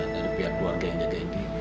dari pihak keluarga yang jagain dia